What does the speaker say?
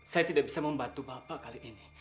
saya tidak bisa membantu bapak kali ini